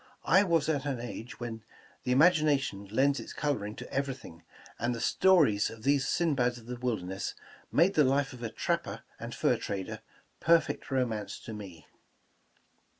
I was at an age when the imagina tion lends its coloring to everything, and the stories of these Sinbads of the wilderness, made the life of a trap per and fur trader perfect romance to me.'